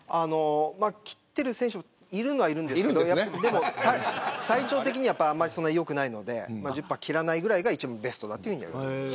切っている選手もいるにはいるんですけど体調的にはあんまり良くないので１０％を切らないぐらいが一番ベストだと思います。